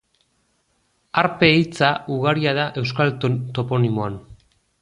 Harpe hitza ugaria da euskal toponimian.